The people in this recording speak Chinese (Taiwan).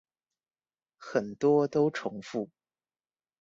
很多都重複